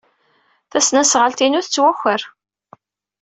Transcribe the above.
Tasnasɣalt-inu tettwaker.